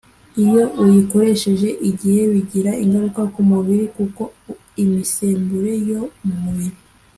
iyo uyikoresheje igihe bigira ingaruka ku mubiri kuko imisemburo yo mu mubiri